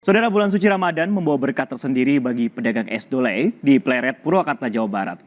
saudara bulan suci ramadan membawa berkat tersendiri bagi pedagang es dole di pleret purwakarta jawa barat